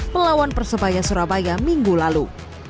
melawan persebaya surabaya minggu lalu